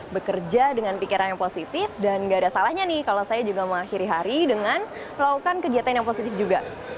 bekerja dengan pikiran yang positif dan gak ada salahnya nih kalau saya juga mengakhiri hari dengan melakukan kegiatan yang positif juga